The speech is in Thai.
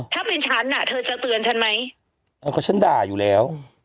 ถ้าเป็นฉันอ่ะเธอจะเตือนฉันไหมเออก็ฉันด่าอยู่แล้ว